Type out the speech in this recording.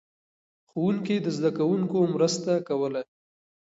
ښوونکي د زده کوونکو مرسته کوله.